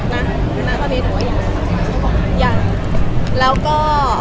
เราก็